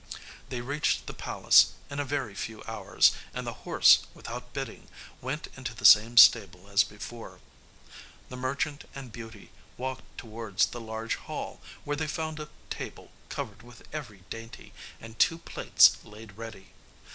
They reached the palace in a very few hours, and the horse, without bidding, went into the same stable as before. The merchant and Beauty walked towards the large hall, where they found a table covered with every dainty, and two plates laid ready.